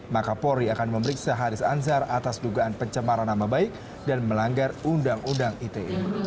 maka polri akan memeriksa haris anzar atas dugaan pencemaran nama baik dan melanggar undang undang ite